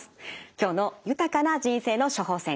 今日の「豊かな人生の処方せん」